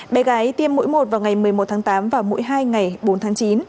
bé gái tiêm mũi một vào ngày một mươi một tháng tám và mũi hai ngày bốn tháng chín